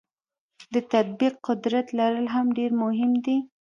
د تطبیق قدرت لرل هم ډیر مهم دي.